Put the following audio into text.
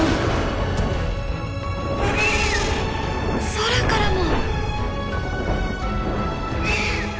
「空からも！」。